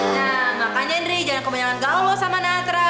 nah makanya indri jangan kebanyakan galau sama natra